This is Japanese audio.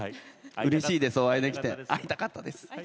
うれしいです、お会いできて会いたかった。